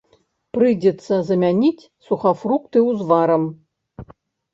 Прыйдзецца замяніць сухафрукты узварам.